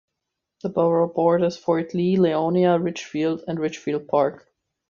The borough borders Fort Lee, Leonia, Ridgefield and Ridgefield Park.